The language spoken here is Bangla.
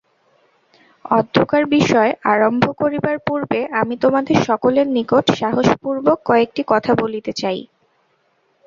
অদ্যকার বিষয় আরম্ভ করিবার পূর্বে আমি তোমাদের সকলের নিকট সাহসপূর্বক কয়েকটি কথা বলিতে চাই।